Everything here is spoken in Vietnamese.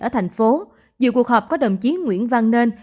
ở thành phố dự cuộc họp có đồng chí nguyễn văn nên